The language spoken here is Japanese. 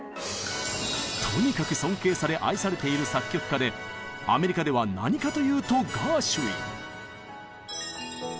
とにかく尊敬され愛されている作曲家でアメリカでは何かというとガーシュウィン！